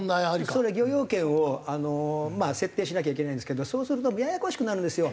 それ漁業権を設定しなきゃいけないんですけどそうするとややこしくなるんですよ。